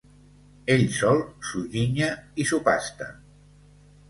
Ell sol s'ho ginya i s'ho pasta.